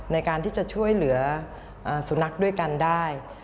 ในการที่จะช่วยเหลือสุนัขด้วยกันได้